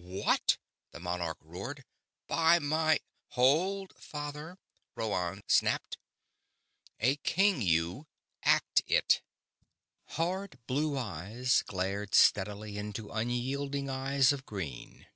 "What!" the monarch roared. "By my...." "Hold, father!" Rhoann snapped. "A king you act it!" Hard blue eyes glared steadily into unyielding eyes of green.